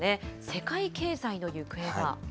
世界経済の行方は？